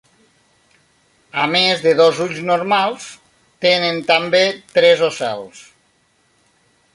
A més dels dos ulls normals tenen també tres ocels.